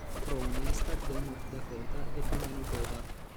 Si trova negli stati del Nord Dakota e di Manitoba.